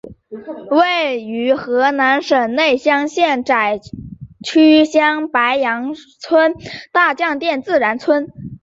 位于河南省内乡县乍曲乡白杨村大窑店自然村。